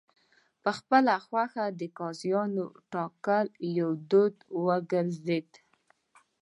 په خپله خوښه د قاضیانو ټاکل یو دود وګرځېد.